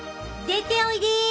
出ておいで！